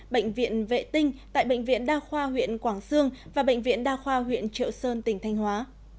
bệnh viện vệ tinh tại bệnh viện đa khoa huyện quảng sương và bệnh viện đa khoa huyện triệu sơn tỉnh thanh hóa